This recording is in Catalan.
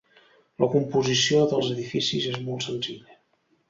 La composició dels edificis és molt senzilla.